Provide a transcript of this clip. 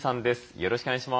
よろしくお願いします。